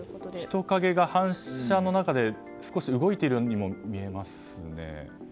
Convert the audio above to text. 人影が反射の中で少し動いているようにも見えます。